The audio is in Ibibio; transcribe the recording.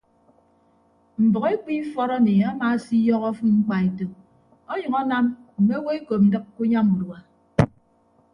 Mbʌk ekpu ifọt emi amaasiyọhọ afịm mkpaeto ọnyʌñ anam mme owo ekop ndịk ke unyam urua.